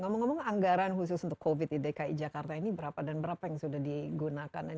ngomong ngomong anggaran khusus untuk covid di dki jakarta ini berapa dan berapa yang sudah digunakan